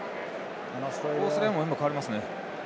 オーストラリアも代わりますね。